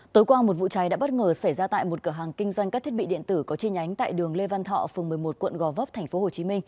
tối qua một vụ cháy đã bất ngờ xảy ra tại một cửa hàng kinh doanh các thiết bị điện tử có chi nhánh tại đường lê văn thọ phường một mươi một quận gò vấp tp hcm